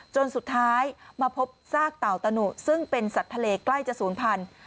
จนสุดท้ายมาพบซากเต่าตะหนุซึ่งเป็นสัตว์ทะเลใกล้จะศูนย์พันธุ